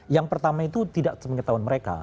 yang pertama itu tidak sepengetahuan mereka